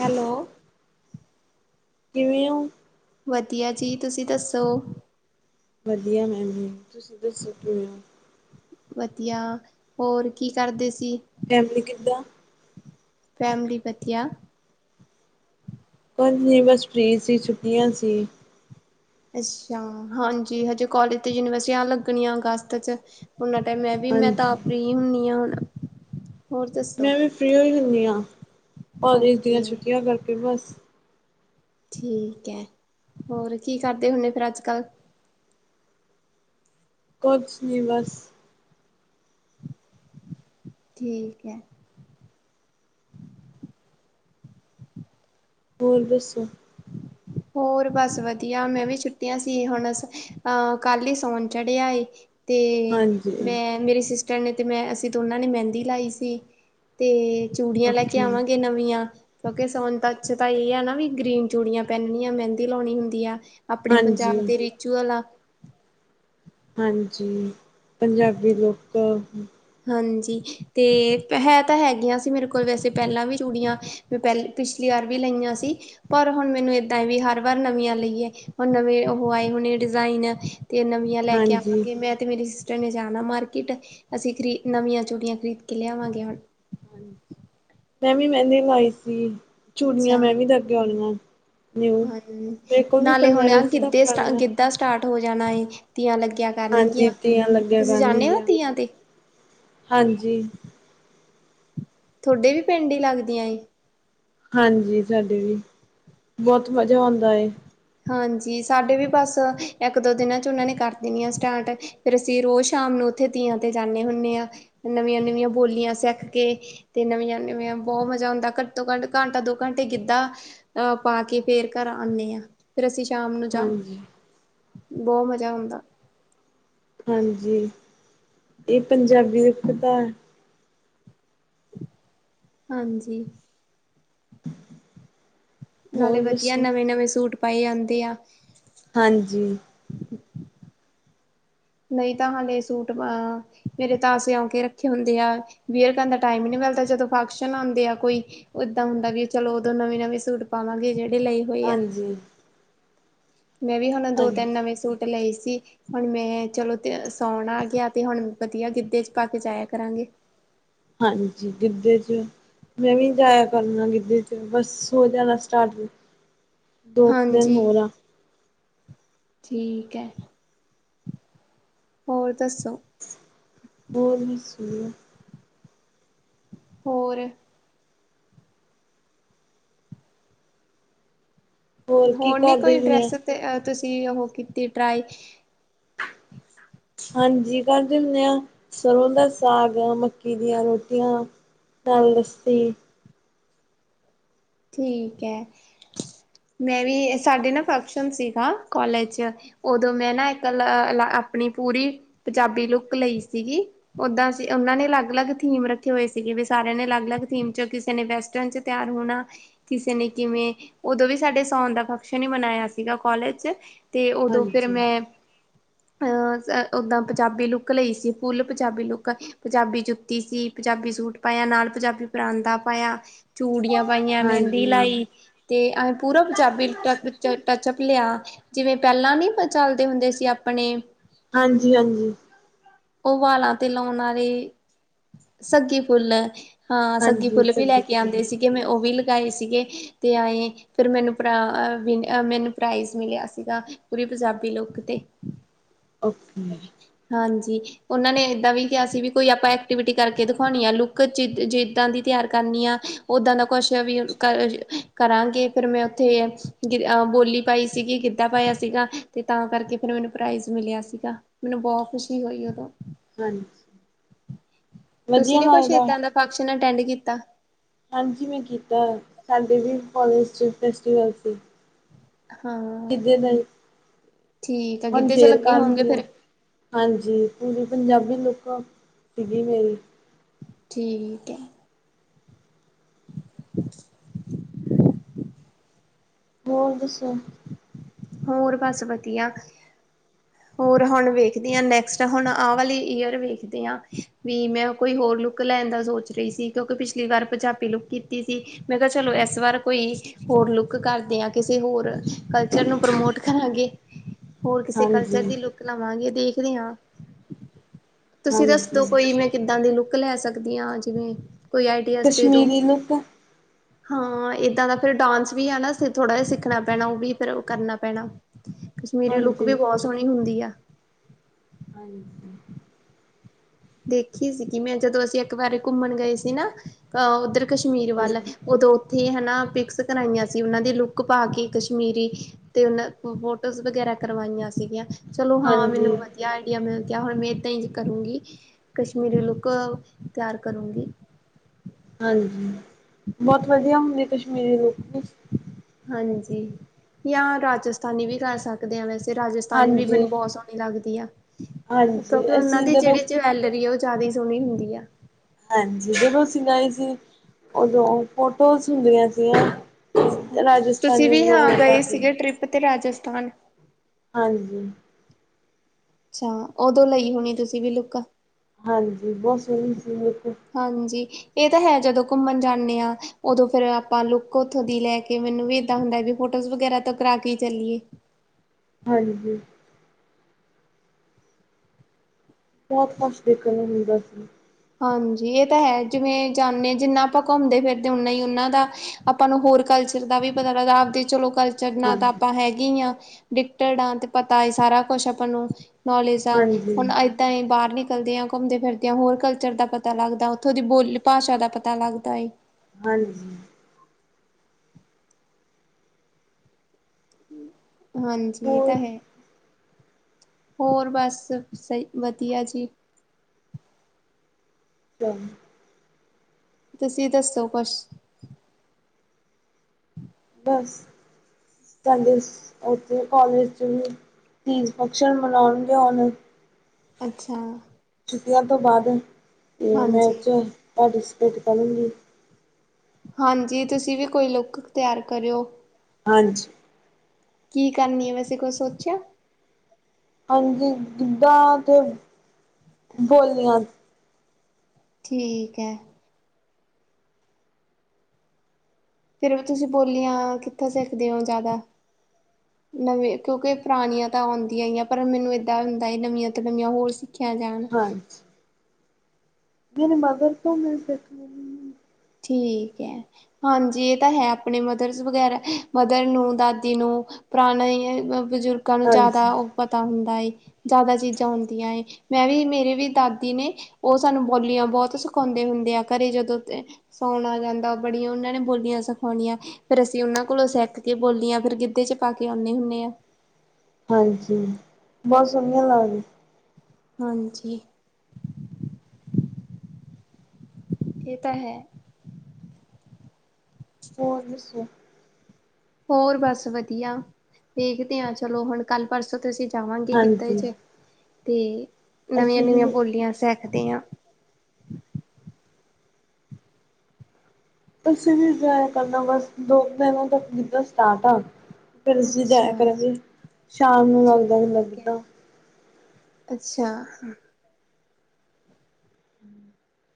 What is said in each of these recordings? Hello. ਕਿਵੇ ਓ? ਵਧੀਆ ਜੀ, ਤੁਸੀਂ ਦੱਸੋ? ਵਧੀਆ ਮੈਂ ਵੀ, ਤੁਸੀਂ ਦੱਸੋ ਕਿਵੇ ਓ? ਵਧੀਆ ਹੋਰ ਕੀ ਕਰਦੇ ਸੀ? ਫੈਮਲੀ ਕਿੱਦਾਂ? ਫੈਮਲੀ ਵਧੀਆ। ਕੁਝ ਨੀ ਬਸ ਫਰੀ ਸੀ, ਛੁੱਟੀਆਂ ਸੀ। ਅੱਛਾ, ਹਾਂਜੀ ਹਜੇ ਕੋਲਜ ਤੇ ਯੂਨੀਵਰਸਿਟੀਆਂ ਲੱਗਣੀਆਂ ਅਗਸਤ ਚ। ਉਹਨਾਂ ਟਾਈਮ ਮੈਂ ਵੀ ਮੈਂ ਤਾਂ ਹਾਂਜੀ। ਫਰੀ ਹੁੰਦੀ ਆ ਹੁਣ। ਹੋਰ ਦੱਸੋ ਮੈਂ ਵੀ ਫਰੀ ਹੋਈ ਹੁੰਦੀ ਹਾਂ ਕੋਲਜ ਦੀਆਂ ਓਕੇ ਛੁੱਟੀਆਂ ਕਰਕੇ ਬਸ। ਠੀਕ ਹੈ, ਹੋਰ ਕੀ ਕਰਦੇ ਹੁੰਦੇ ਫਿਰ ਅੱਜ ਕੱਲ? ਕੁਛ ਨਹੀਂ ਬਸ। ਠੀਕ ਹੈ। ਹੋਰ ਦੱਸੋ? ਹੋਰ ਬਸ ਵਧੀਆ ਮੈਂ ਵੀ ਛੁੱਟੀਆਂ ਸੀ ਹੁਣ ਅਹ ਕੱਲ ਹੀ ਸੋਨ ਚੜਿਆ ਏ ਤੇ ਹਾਂਜੀ, ਮੈਂ ਮੇਰੀ ਸਿਸਟਰ ਨੇ ਤੇ ਮੈਂ ਅਸੀਂ ਦੋਨਾਂ ਨੇ ਮਹਿੰਦੀ ਲਾਈ ਸੀ। ਤੇ ਚੂੜੀਆਂ ਲੈ ਕੇ ਓਕੇ, ਆਵਾਂਗੇ ਨਵੀਆਂ ਕਿਉਂਕਿ ਸਾਉਣ ਤੱਕ ਚ ਤਾਂ ਇਹ ਆ ਨਾ ਵੀ ਗ੍ਰੀਨ ਚੂੜੀਆਂ ਕਹਿੰਦੀ ਆ ਮਹਿੰਦੀ ਲਾਉਣੀ ਹੁੰਦੀ ਆ ਆਪਣੇ ਹਾਂਜੀ, ਪੰਜਾਬ ਦੇ ਰਿਚੁਅਲ ਆ। ਹਾਂਜੀ ਪੰਜਾਬੀ ਲੁੱਕ ਹਾਂਜੀ ਤੇ ਹੈ ਤਾਂ ਹੈਗੀਆਂ ਸੀ ਮੇਰੇ ਕੋਲ ਵੈਸੇ ਪਹਿਲਾਂ ਵੀ ਚੂੜੀਆਂ ਪਹਿਲੇ ਪਿਛਲੀ ਵਾਰ ਵੀ ਲਈਆਂ ਸੀ। ਪਰ ਹੁਣ ਮੈਨੂੰ ਇਦਾਂ ਵੀ ਹਰ ਵਾਰ ਨਵੀਆਂ ਲਈਏ ਹੁਣ ਨਵੇਂ ਉਹ ਆਏ ਹੋਣੇ ਡਿਜ਼ਾਇਨ ਤੇ ਨਵੀਂ ਨਵੀਆਂ ਲੈ ਕੇ ਹਾਂਜੀ। ਆਵਾਂਗੇ ਮੈਂ ਤੇ ਮੇਰੀ ਸਿਸਟਰ ਨੇ ਜਾਣਾ ਮਾਰਕੀਟ ਅਸੀਂ ਵੱਖਰੀ ਨਵੀਆਂ ਚੂੜੀਆਂ ਖਰੀਦ ਕੇ ਲਿਆਵਾਂਗੇ ਹੁਣ। ਹਾਂਜੀ ਮੈਂ ਵੀ ਮਹਿੰਦੀ ਲਾਈ ਸੀ। ਚੂੜੀਆਂ ਮੈਂ ਵੀ ਲੇ ਕੇ ਆਉਣੀਆਂ। ਨਿਊ, ਹਨ ਮੇਰੇ ਕੋਲ ਵੀ ਨਾਲੇ ਪਈਆਂ ਹੁਣ ਆ ਵੈਸੇ ਤਾਂ ਗਿੱਧੇ ਸਟ ਪੁਰਾਣੀਆਂ। ਗਿੱਧਾ ਸਟਾਰਟ ਹੋ ਜਾਣਾ ਏ ਧੀਆਂ ਲੱਗਿਆ ਹਾਂਜੀ ਕਰਨਗੀਆਂ ਤੀਆਂ ਲੱਗਿਆ ਤੁਸੀਂ ਗਾਣ ਨਹੀਂ ਜਾਂਦੇ ਹੋ ਦੀਆਂ ਤੀਆਂ ਤੇ ਹਾਂਜੀ ਤੁਹਾਡੇ ਵੀ ਪਿੰਡ ਹੀ ਲੱਗਦੀਆਂ ਏ। ਹਾਂਜੀ ਸਾਡੇ ਵੀ ਬਹੁਤ ਮਜ਼ਾ ਆਉਂਦਾ ਐ। ਹਾਂਜੀ ਸਾਡੇ ਵੀ ਬਸ ਇੱਕ ਦੋ ਦਿਨਾਂ ਚ ਉਹਨਾਂ ਨੇ ਕਰ ਦੇਣੀ ਆ ਸਟਾਰਟ ਫਿਰ ਅਸੀਂ ਰੋਜ਼ ਸ਼ਾਮ ਨੂੰ ਉੱਥੇ ਤੀਆਂ ਤੇ ਜਾਂਦੇ ਹੁੰਦੇ ਹਾਂ ਨਵੀਆਂ ਨਵੀਆਂ ਬੋਲੀਆਂ ਸਿੱਖ ਕੇ ਤੇ ਨਵੀਆਂ ਨਵੀਆਂ ਬਹੁਤ ਮਜ਼ਾ ਹੁੰਦਾ ਘੱਟ ਤੋਂ ਘੱਟ ਘੰਟਾ ਦੋ ਘੰਟੇ ਗਿੱਧਾ ਗਿੱਦਾ ਪਾ ਕੇ ਫਿਰ ਘਰ ਆਨੇ ਆ। ਫਿਰ ਅਸੀਂ ਸ਼ਾਮ ਨੂੰ ਜਾ ਹਾਂਜੀ ਬਹੁਤ ਮਜ਼ਾ ਆਉਂਦਾ ਹਾਂਜੀ ਇਹ ਪੰਜਾਬੀ ਦੇ ਕਿਦਾਰ ਹਾਂਜੀ ਹੋਰ ਨਾਲੇ ਵਧੀਆ ਦੱਸੋ ਨਵੇਂ ਨਵੇਂ ਸੂਟ ਪਾਈ ਜਾਂਦੇ ਆ। ਹਾਂਜੀ ਨਹੀਂ ਤਾਂ ਹਾਲੇ ਸੂਟ ਅ ਮੇਰੇ ਤਾਂ ਸਿਉ ਕੇ ਰੱਖੇ ਹੁੰਦੇ ਆ ਵੀਰੇ ਤੁਹਾਡਾ ਟਾਈਮ ਹੀ ਨਹੀਂ ਮਿਲਦਾ ਜਦੋਂ ਫੰਕਸ਼ਨ ਆਉਂਦੇ ਆ ਕੋਈ ਉਦਾਂ ਹੁੰਦਾ ਵੀ ਚਲੋ ਉਦੋਂ ਨਵੇਂ ਨਵੇਂ ਸੂਟ ਪਾਵਗੇ ਜਿਹੜੇ ਲਏ ਹੋਏ ਆ ਹਾਂਜੀ ਮੈਂ ਵੀ ਹੁਣ ਦੋ ਹਾਂਜੀ ਤਿੰਨ ਨਵੇਂ ਸੂਟ ਲਏ ਸੀ। ਹੁਣ ਮੈਂ ਚਲੋ ਤੇ ਸਾਉਣ ਆ ਗਿਆ ਤੇ ਹੁਣ ਵਧੀਆ ਗਿੱਧੇ ਚ ਪਾ ਕੇ ਜਾਇਆ ਕਰਾਂਗੇ। ਹਾਂਜੀ ਗਿੱਧੇ ਚ ਮੈਂ ਵੀ ਜਾਇਆ ਕਰਨਾ ਗਿੱਧੇ ਚ ਬਸ ਹੋ ਜਾਣਾ ਸਟਾਰਟ ਦੋ ਕੁ ਦਿਨ ਹਾਂਜੀ ਹੋਰ ਆ। ਠੀਕ ਹੈ। ਹੋਰ ਦੱਸੋ। ਹੋਰ ਬਸ ਵਧੀਆ ਹੋਰ ਕੀ ਹੋਰ ਨੀ ਕਰਦੇ ਕੋਈ ਹੁੰਦੇ ਡਰੈਸ ਆ ਤੇ ਤੁਸੀਂ ਉਹ ਕੀਤੀ ਟਰਾਈ ਹਾਂਜੀ ਕਰ ਦਿੰਦੇ ਆ ਸਰ੍ਹੋਂ ਦਾ ਸਾਗ, ਮੱਕੀ ਦੀਆਂ ਰੋਟੀਆਂ ਨਾਲ ਲੱਸੀ ਠੀਕ ਐ, ਮੈਂ ਵੀ ਸਾਡੇ ਨਾ ਫੰਕਸ਼ਨ ਸੀਗਾ ਕੋਲਜ ਚ ਓਦੋਂ ਮੈਂ ਨਾ ਇੱਕ ਅ ਆਪਨੀ ਪੂਰੀ ਪੰਜਾਬੀ ਲੁੱਕ ਲਈ ਸੀਗੀ। ਓਦਾਂ ਅਸੀਂ ਚ ਓਨਾਂ ਨੇ ਅਲੱਗ-ਅਲੱਗ ਥੀਮ ਰੱਖੇ ਹੋਏ ਸੀਗੇ ਵੀ ਸਾਰੇਆਂ ਨੇ ਅਲੱਗ-ਅਲੱਗ ਥੀਮ ਚ ਕਿਸੇ ਨੇ ਵੈਸਟਰਨ ਚ ਤਿਆਰ ਹੋਨਾ ਕਿਸੇ ਨੇ ਕਿਵੇਂ ਓਦੋਂ ਵੀ ਸਾਡੇ ਸੌਨ ਦਾ ਫੰਕਸ਼ਨ ਈ ਮਨਾਇਆ ਸੀਗਾ ਕੋਲਜ ਚ। ਤੇ ਓਦੋਂ ਫਿਰ ਹਾਂਜੀ ਮੈਂ ਅ ਓਦਾਂ ਪੰਜਾਬੀ ਲੁੱਕ ਲਈ ਸੀ ਫੁੱਲ ਪੰਜਾਬੀ ਲੁੱਕ ਪੰਜਾਬੀ ਜੁੱਤੀ ਸੀ, ਪੰਜਾਬੀ ਸੂਟ ਪਾਏਆ ਨਾਲ ਪੰਜਾਬੀ ਪਰਾਂਦਾ ਪਾਏਆ, ਚੂੜੀਆਂ ਪਾਈਆਂ ਮੈਂਦੀ ਹਾਂਜੀ ਲਾਈ, ਤੇ ਅਸੀਂ ਪੂਰਾ ਪੰਜਾਬੀ ਟ ਟਚਅਪ ਲੇਆ। ਜਿਵੇਂ ਪੈਲਾਂ ਨੀ ਆਪਾਂ ਚੱਲਦੇ ਹੁੰਦੇ ਸੀ ਆਪਨੇ ਹਾਂਜੀ-ਹਾਂਜੀ। ਓ ਵਾਲਾਂ ਤੇ ਲੌਨ ਆਲੇ, ਸੱਗੀ ਫੁੱਲ ਹਾਂ ਸੱਗੀ ਹਾਂਜੀ ਫੁੱਲ ਵੀ ਲੈ ਕੇ ਹਾਂਜੀ ਆਂਦੇ ਸੀਗੇ ਮੈਂ ਓ ਵੀ ਲਗਾਏ ਸੀਗੇ ਤੇ ਆਏਂ ਫਿਰ ਮੈਨੂੰ ਆ ਮੈਨੂੰ ਪਰਾਈਜ਼ ਮਿਲੇਆ ਸੀਗਾ। ਪੂਰੀ ਪੰਜਾਬੀ ਲੁੱਕ ਤੇ। ਓਕੇ। ਹਾਂਜੀ। ਓਨਾਂ ਨੇ ਏਦਾਂ ਵੀ ਕਿਆ ਸੀ ਵੀ ਕੋਈ ਆਪਾਂ ਐਕਟੀਵਿਟੀ ਕਰਕੇ ਦਿਖੌਨੀ ਐ ਲੁੱਕ ਜਿ ਜਿੱਦਾਂ ਦੀ ਤਿਆਰ ਕਰਨੀ ਆ। ਓਦਾਂ ਦਾ ਕੁਛ ਵੀ ਕ ਕਰਾਂਗੇ ਫਿਰ ਮੈਂ ਓਥੇ ਅ ਬੋਲੀ ਪਾਈ ਸੀਗੀ ਗਿੱਦਾ ਪਾਏਆ ਸੀਗਾ ਤੇ ਤਾਂ ਕਰਕੇ ਫਿਰ ਮੈਨੂੰ ਪਰਾਈਜ਼ ਮਿਲਿਆ ਸੀਗਾ ਮੈਨੂੰ ਬਹੁ ਖੁਸ਼ੀ ਹੋਈ ਓਦੋਂ। ਹਾਂਜੀ। ਤੁਸੀਂ ਵਧੀਆ ਨੀ ਕੁਛ ਲੱਗਦਾ ਏਦਾਂ ਦਾ ਫੰਕਸ਼ਨ ਅਟੈਂਡ ਕੀਤਾ। ਹਾਂਜੀ ਮੈਂ ਕੀਤਾ, ਸਾਡੇ ਵੀ ਕੋਲਜ ਚ ਫੈਸਟੀਵਲ ਸੀ। ਹਾਂ ਗਿੱਦੇ ਦੇ, ਠੀਕ ਆ ਹੁਨ ਗਿੱਧੇ ਚ ਫੇਰ ਲੱਗੇ ਹੋਗੇ ਕਰਨਗੇ। ਫਿਰ ਹਾਂਜੀ, ਪੂਰੀ ਪੰਜਾਬੀ ਲੁੱਕ ਸੀਗੀ ਮੇਰੀ। ਠੀਕ ਐ। [inaudible] ਹੋਰ ਦੱਸੋ ਹੋਰ ਬਸ ਵਦੀਆ। ਹੋਰ ਹੁਨ ਵੇਖਦੀ ਆਂ ਨੈਕਸਟ ਹੁਨ ਆਹ ਵਾਲੀ ਈਅਰ ਵੇਖਦੇ ਆਂ, ਵੀ ਮੈਂ ਓ ਕੋਈ ਹੋਰ ਲੁੱਕ ਲੈਨ ਦਾ ਸੋਚ ਰਈ ਸੀ ਕਿਓਂਕਿ ਪਿਛਲੀ ਵਾਰ ਪੰਜਾਬੀ ਲੁੱਕ ਕੀਤੀ ਸੀ। ਮੈਂ ਕਿਆ ਚਲੋ ਐਸ ਵਾਰ ਕੋਈ ਹੋਰ ਲੁੱਕ ਕਰਦੇ ਆਂ ਕਿਸੇ ਹੋਰ ਕਲਚਰ ਨੂੰ ਪਰਮੋਟ ਕਰਾਂਗੇ, ਹੋਰ ਕਿਸੇ ਕਲਚਰ ਹਾਂਜੀ ਦੀ ਲੁੱ ਲੁੱਕ ਲਵਾਂਗੇ ਦੇਖਦੇ ਆਂ, ਤੁਸੀਂ ਦੱਸਦੋ ਹਾਂਜੀ ਕੋਈ ਮੈਂ ਕਿੱਦਾਂ ਦੀ ਲੁੱਕ ਲੈ ਸਕਦੀ ਆਂ, ਜਿਵੇਂ ਕੋਈ ਆਈਡੀਆਜ ਦੇਦੋ। ਕਸ਼ਮੀਰੀ ਲੁੱਕ ਹਾਂ, ਏਦਾਂ ਦਾ ਫਿਰ ਡਾਂਨਸ ਵੀ ਆ ਨਾ ਥੋੜਾ ਜਾ ਸਿੱਖਨਾ ਪੈਨਾ ਓ ਵੀ ਫਿਰ ਓ ਕਰਨਾ ਪੈਨਾ, ਕਸ਼ਮੀਰੀ ਲੁੱਕ ਵੀ ਹਾਂਜੀ ਬਹੁ ਸੋਨੀ ਹੁੰਦੀ ਆ। ਹਾਂਜੀ। ਦੇਖੀ ਸੀਗੀ ਮੈਂ ਜਦੋਂ ਅਸੀਂ ਇੱਕ ਵਾਰੀ ਘੁੰਮਨ ਗਏ ਸੀ ਨਾ ਅਹ ਓਦਰ ਕਸ਼ਮੀਰ ਵੱਲ, ਹਾਂਜੀ ਓਦੋਂ ਓਥੇ ਹਨਾ ਪੀਕਸ਼ ਕਰਾਈਆਂ ਸੀ ਓਨਾਂ ਦੀ ਲੁੱਕ ਪਾ ਕੇ ਕਸ਼ਮੀਰੀ। ਤੇ ਓਨਾਂ ਤੋਂ ਫੋਟੋਜ਼ ਵਗੈਰਾ ਕਰਵਾਈਆਂ ਸੀਗੀਆਂ। ਚਲੋ ਹਾਂ, ਮੈਨੂੰ ਹਾਂਜੀ ਵਦੀਆ ਆਈਡੀਆ ਮਿਲ ਗਿਆ ਹੁਨ ਮੈਂ ਏਦਾਂ ਈ ਕਰੂੰਗੀ। ਕਸ਼ਮੀਰੀ ਲੁੱਕ ਤਿਆਰ ਕਰੂੰਗੀ। ਹਾਂਜੀ, ਬੋਤ ਵਦੀਆ ਹੁੰਦੀ ਆ ਕਸ਼ਮੀਰੀ ਲੁੱਕ ਵੀ। ਹਾਂਜੀ, ਜਾਂ ਰਾਜਸਥਾਨੀ ਵੀ ਕਰ ਸਕ ਸਕਦੇ ਆਂ ਵੈਸੇ ਰਾਜਸਥਾਨੀ ਵੀ ਹਾਂਜੀ ਮੈਨੂੰ ਬਹੁ ਸੋਨੀ ਲੱਗਦੀ ਆ, ਹਾਂਜੀ ਕਿਓਂਕਿ ਓਨਾਂ ਅਸੀਂ ਦੀ ਜਦੋਂ ਜੇੜੀ ਲ ਏ ਦੀ ਓ ਜਾਦਾ ਈ ਸੋਹਣੀ ਹੁੰਦੀ ਆ। ਹਾਂਜੀ, ਜਦੋ ਅਸੀਂ ਗਏ ਸੀ, ਉਦੋ ਫੋਟੋਜ਼ ਹੁੰਦੀਆਂ ਸੀਗੀਆਂ। ਰਾਜਸਥਾਨੀ ਲੋਕ ਕਰਦੇ ਨੇ। ਅਤੇ ਰਾਜਸਥਾਨ ਹਾਂਜੀ। ਅੱਛਾ, ਉਦੋਂ ਲਈ ਹੋਣੀ ਤੁਸੀਂ ਵੀ ਲੁੱਕ ਆ? ਹਾਂਜੀ, ਬਹੁਤ ਸੋਹਣੀ ਸੀ ਲੁੱਕ! ਹਾਂਜੀ, ਏਹ ਤਾਂ ਹੈ ਜਦੋਂ ਘੁੰਮਣ ਜਾਨੇ ਆ ਉਦੋਂ ਫੇਰ ਆਪਾ ਲੁੱਕ ਉੱਥੋਂ ਦੀ ਲੈ ਕੇ, ਮੈਨੂੰ ਵੀ ਏਦਾਂ ਹੁੰਦਾ, ਫੋਟੋਜ਼ ਵਗੈਰਾ ਤਾਂ ਕਰਾ ਕੇ ਚੱਲੀਏ! ਹਾਂਜੀ। ਬਹੁਤ ਕੁਛ ਦੇਖਣ ਨੂੰ ਮਿਲਦਾ ਜੀ। ਹਾਂਜੀ, ਏ ਤਾਂ ਹੈ, ਜਿਵੇਂ ਜਾਨੇ ਜਿੰਨਾ ਆਪਾਂ ਘੁੰਮਦੇ-ਫਿਰਦੇ, ਉਨਾਂ ਈ ਉਹਨਾਂ ਦਾ ਆਪਾਂ ਨੂੰ ਹੋਰ ਕਲਚਰ ਦਾ ਵੀ ਪਤਾ ਲੱਗਦਾ, ਅੱਗੇ ਜੌ ਲੋਕ ਕਲਚਰ ਨਾ ਤਾਂ ਹਾਂਜੀ ਆਪਾਂ ਹੈਗੀ ਆ, ਡੀਟਰ-ਡਾਂਤ ਪਤਾ ਏ ਸਾਰਾ ਕੁਛ ਆਪਾਂ ਨੂੰ! ਨੌਲੇਜ ਆ, ਹਾਂਜੀ ਹੁਣ ਏਦਾਂ ਈ ਬਾਹਰ ਨਿਕਲਦੇ ਆਂ, ਘੁੰਮਦੇ- ਫਿਰਦੇ ਆਂ ਹੋਰ ਕਲ ਚਰ ਦਾ ਪਤਾ ਲੱਗਦਾ, ਉੱਥੋ ਦੀ ਬੋਲੀ-ਭਾਸ਼ਾ ਦਾ ਪਤਾ ਲੱਗਦਾ ਏ। ਹਾਂਜੀ। ਹਾਂਜੀ ਇਹ ਹੋਰ ਤਾਂ ਹੈ। ਹੋਰ ਬੱਸ, ਸਈ ਵਧੀਆ ਜੀ! [inaudible] ਤੁਸੀਂ ਦੱਸੋ ਕੁਛ? ਬੱਸ ਸਾਡੇ, ਉੱਥੇ ਕੋਲਜ 'ਚ ਵੀ ਤੀਜ ਫੰਕਸ਼ਨ ਮਨਾਉਣ ਗੇ ਹੁਣ! ਅੱਛਾ। ਛੁੱਟੀਆਂ ਤੋਂ ਬਾਅਦ, ਏ ਮੈਂ ਹਾਂਜੀ ਏਦੇ ਚ ਪਾਰਟੀਸਪੇਟ ਕਰੂੰਗੀ। ਹਾਂਜੀ, ਤੁਸੀਂ ਵੀ ਕੋਈ ਲੁੱਕ ਤਿਆਰ ਕਰਿਓ। ਹਾਂਜੀ। ਕੀ ਕਰਨੀ ਏ ਵੈਸੇ ਕੁਛ ਸੋਚਿਆ? ਹਾਂਜੀ, ਗਿੱਧਾ ਤੇ ਬੋਲੀਆਂ! ਠੀਕ ਐ। ਫੇਰ ਵੀ, ਤੁਸੀਂ ਬੋਲੀਆਂ ਕਿੱਥੋਂ ਸਿੱਖਦੇ ਓ ਜਾਦਾ? ਨਵੇਂ ਕਿਉਂਕਿ ਪੁਰਾਣੀਆਂ ਤਾਂ ਆਉਂਦੀਆਂ ਈ ਆ, ਪਰ ਮੈਨੂੰ ਏਦਾਂ ਹੁੰਦਾ ਏ ਨਵੀਆਂ ਤੋਂ ਨਵੀਆਂ ਹੋਰ ਸਿ ਖਿਆ ਜਾਣ। ਹਾਂਜੀ। ਮੇਰੇ ਮਦਰ ਤੋਂ ਮਿਲ ਸਕਦੀਆਂ। ਠੀਕ ਐ। ਹਾਂਜੀ, ਇਹ ਤਾਂ ਹੈ, ਆਪਣੇ ਮਦਰਸ ਵਗੈਰਾ, ਮਦਰ ਨੂੰ, ਦਾਦੀ ਨੂੰ ਪੁਰਾਣੇ ਬਜ਼ੁਰਗਾਂ ਨੂੰ ਹਾਂ। ਹਾਂਜੀ, ਜ਼ਿਆਦਾ ਓ ਪਤਾ ਹੁੰਦਾ ਏ! ਜਾਦਾ ਚੀਜ਼ਾਂ ਆਉਂਦੀਆ ਏ, ਮੈਂ ਵੀ ਮੇਰੇ ਵੀ ਦਾਦੀ ਨੇ ਓ ਸਾਨੂੰ ਬੋਲੀਆਂ ਬਹੁਤ ਸਿਖਾਉਂਦੇ ਹੁੰਦੇ ਆ, ਘਰੇ ਜਦੋਂ ਤ ਫ਼ੋਨ ਆ ਜਾਂਦਾ ਬੜੀਆਂ ਓਨਾ ਨੇ ਬੋਲੀਆਂ ਸਿਖਾਉਣੀਆਂ। ਫੇਰ ਅਸੀਂ ਉਹਨਾਂ ਕੋਲੋਂ ਸਿੱਖ ਕੇ ਬੋਲੀਆਂ ਫੇਰ ਗਿੱਧੇ 'ਚ ਪਾ ਕੇ ਆਉਂਣੇ ਹੁੰਣੇ ਆ! ਹਾਂਜੀ, ਬਹੁਤ ਸੋਹਣੀਆਂ ਲੱਗਦੀਆਂ! ਹਾਂਜੀ। ਇਹ ਤਾਂ ਹੈ। ਹੋਰ ਦੱਸੋ? ਹੋਰ ਬਸ ਵਧੀਆ, ਵੇਖਦੇ ਆ। ਚੱਲੋ ਹੁਣ ਕੱਲ੍ਹ ਪਰਸੋਂ ਤ ਤੁਸੀਂ ਜਾਵਾਂਗੇ, ਗਿੱਧਾ ਹਾਂਜੀ, ਚ, ਤੇ ਨਵੀਆਂ- ਅਸੀਂ ਨਵੀਆਂ ਵੀ ਬੋਲੀਆਂ ਸਿੱਖਦੇ ਆ। ਤੁਸੀਂ ਵੀ ਜਾਇਆ ਕਰਨਾ ਬਸ ਦੋ ਕੁ ਦਿਨ ਤੱਕ [unintelligible] ਸਟਾਟ ਆ। ਫਿਰ ਅਸੀਂ ਅੱਛਾ ਜਾਇਆ ਕਰਾਂਗੇ। ਸ਼ਾਮ ਨੂੰ ਲੱਗਦਾ ਹੁੰਦਾ ਠੀਕ ਐ। ਗਿੱਧਾ। ਅੱਛਾ। ਹਮ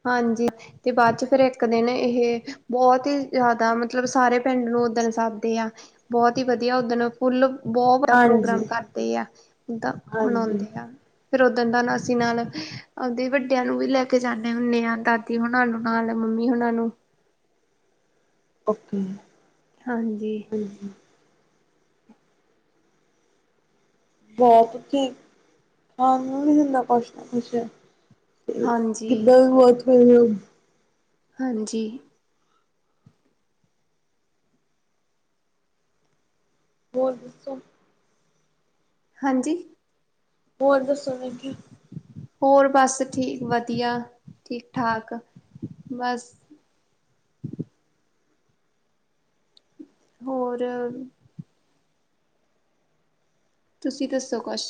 ਹਾਂਜੀ। ਤੇ ਬਾਅਦ ਚ, ਫੇਰ ਇੱਕ ਦਿਨ ਇਹ ਬਹੁਤ ਹੀ ਜ਼ਿਆਦਾ ਮਤਲਬ ਸਾਰੇ ਪਿੰਡ ਨੂੰ ਉੱਦਣ ਸੱਦ ਦੇ ਆ। ਬਹੁਤ ਹੀ ਵਧੀਆ ਉੱਦਣ ਫੋਲ ਬਹੁਤ ਵੱਡਾ ਹਾਂਜੀ। ਪ੍ਰੋਗਰਾਮ ਕਰਦੇ ਆ। ਇੱਦਾ ਹਾਂਜੀ, ਮਨਾਉਂਦੇ ਆ। ਫਿਰ ਉੱਦਣ ਨਾ, ਅਸੀਂ ਨਾਲ ਆਬਦੇ ਵੱਡਿਆਂ ਨੂੰ ਵੀ ਲੈ ਜਾਂ। ਹੁੰਣੇ ਆ। ਦਾਦੀ ਹੁਣਾ ਨੂੰ ਨਾਲ ਮੰਮੀ ਹੁਣਾ ਨੂੰ ਓਕੇ। ਹਾਂਜੀ। [inaudible] ਬਹੁਤ ਇੱਥੇ ਖਾਣ ਨੂੰ ਵੀ ਦਿੰਦਾ। ਕੁਛ ਨਾ ਕੁਛ ਤੇ ਕਿੱਦਾਂ [unintelligible] ਹਾਂਜੀ। ਹੋਰ ਦੱਸੋ। ਹਾਂਜੀ। ਹੋਰ ਦੱਸੋ ਮੈਂ ਕਿਹਾ। ਹੋਰ ਬਸ ਠੀਕ, ਵਧੀਆ। ਠੀਕ- ਠਾਕ ਬਸ ਹੋਰ। ਤੁਸੀਂ ਦੱਸੋ ਕੁਛ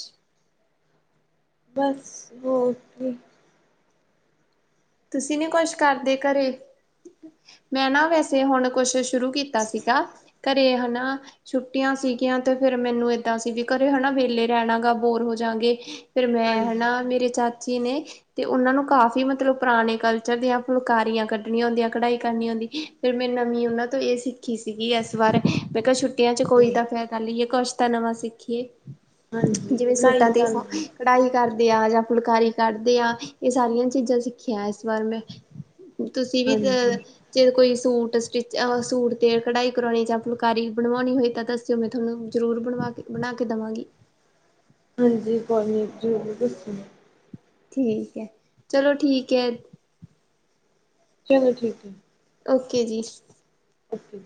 ਬਸ ਓਕੇ। ਤੁਸੀਂ ਨੀ ਕੁਛ ਕਰਦੇ ਘਰੇ, ਮੈਂ ਨਾ ਵੈਸੇ ਹੁਣ ਕੋਸ਼ਿਸ਼। ਸ਼ੁਰੂ ਕੀਤਾ ਸੀਗਾ। ਘਰੇ ਹਨਾ। ਛੁੱਟੀਆਂ ਸੀਗੀਆਂ। ਤੇ ਫਿਰ ਮੈਨੂੰ ਏਦਾਂ ਸੀ। ਵੀ ਘਰੇ ਹਨਾ ਵੇਲੇ ਰਹਿਣਾ ਗਾ ਬੋਰ ਹੋ ਜਾਂਗੇ। ਫਿਰ ਮੈਂ ਹਾਂਜੀ ਹਨਾ। ਮੇਰੇ ਚਾਚੀ ਨੇ, ਤੇ ਉਹਨਾਂ ਨੂੰ ਕਾਫ਼ੀ ਮਤਲਬ ਪੁਰਾਣੇ ਕਲਚਰ ਦੀਆਂ ਫੁਲਕਾਰੀਆਂ ਕੱਢਣੀਆਂ ਹੁੰਦੀਆਂ ਐ। ਕਢਾਈ ਕਰਨੀ ਆਉਂਦੀ। ਫਿਰ ਮੈਂ ਨਾਨੀ ਉਹਨਾਂ ਤੋਂ ਇਹ ਸਿੱਖ ਸਿੱਖੀ ਸੀਗੀ ਇਸ ਵਾਰ ਮੈਂ ਕਿਹਾ ਛੁੱਟੀਆਂ ਚ, ਅੱਛਾ ਕੋਈ ਤਾਂ ਫਿਰ ਕਰ ਲਾਹੀਏ ਕੁਛ ਤਾਂ ਨਵਾਂ ਸਿੱਖੀਏ। ਹਾਂਜੀ ਜਿਵੇਂ ਪੜ੍ਹਾਈ ਸੂਟਾਂ ਤੇ ਕਰ ਉਹ, ਕੜਾਈ ਕਰਦੇ ਆ। ਜਾਂ ਫੁਲਕਾਰੀ ਕੱਡਦੇ ਆ। ਇਹ ਸਾਰੀਆਂ ਚੀਜ਼ਾਂ ਸਿੱਖੀਆਂ। ਇਸ ਵਾਰ ਮੈਂ, ਤੁਸੀਂ ਵੀ ਤਾਂ, ਹਾਂਜੀ ਜੇ ਕੋਈ ਸੂਟ ਸਟਿਚ, ਸੂਟ ਤੇ ਕਢਾਈ ਕਰਾਉਣੀ ਜਾਂ ਫੁਲਕਾਰੀ ਬਣਵਾਉਣੀ ਹੋਏ ਤਾਂ ਦਸੋ। ਚ ਮੈਂ ਥੋਨੂੰ ਜ਼ਰੂਰ ਬਣਵਾ ਕੇ, ਬਣਾ ਕੇ ਦੇਵਾਂਗੀ। ਹਾਂਜੀ, ਕੋਲਨੀ ਜੂਰਰ ਦੱਸੋ ਮੈਂ, ਠੀਕ ਐ, ਚਲੋ ਠੀਕ ਐ। ਚਲੋ ਠੀਕ ਹੈ। ਓਕੇ ਜੀ। ਓਕੇ ਜੀ।